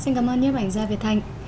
xin cảm ơn nhóm ảnh gia việt thanh